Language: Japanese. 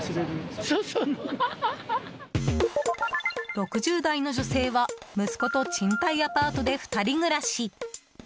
６０代の女性は息子と賃貸アパートで２人暮らし。